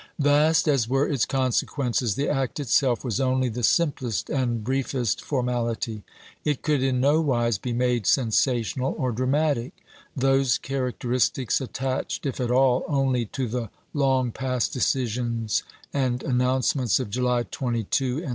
Vast as were its consequences, the act itself was only the simplest and briefest formality. It could in no wise be made sensational or dramatic. Those characteristics attached, if at all, only to the long past decisions and announcements of July 22 and 1862.